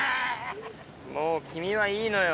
もう君はいいのよ。